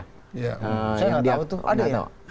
saya nggak tahu tuh